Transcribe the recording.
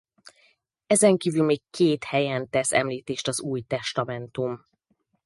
Ezenkívül még két helyen tesz említést az újtestamentum.